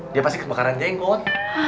dia pasti kebakaran jeng kot